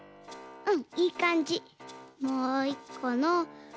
うん。